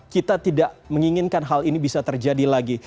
kita tidak menginginkan hal ini bisa terjadi lagi